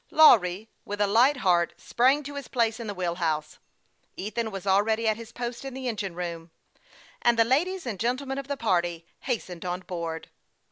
Lawry, with a light heart, sprung to his place in the wheel house ; Ethan was already at his post in the engine room, and the ladies and gentlemen of the party hastened on board.